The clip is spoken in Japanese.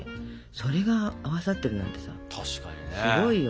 それが合わさってるなんてさすごいよ。